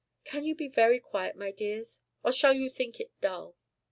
Can you be very quiet, my dears; or shall you think it dull?"